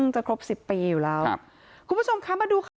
จะครบ๑๐ปีอยู่แล้ว